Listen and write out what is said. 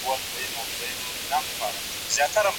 نادر افشار د صفویانو واک په رسمي ډول پای ته ورساوه.